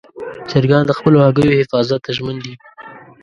چرګان د خپلو هګیو حفاظت ته ژمن دي.